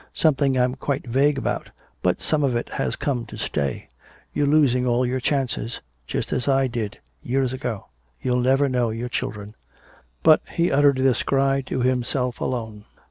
Something I'm quite vague about but some of it has come to stay! You're losing all your chances just as I did years ago! You'll never know your children!" But he uttered this cry to himself alone.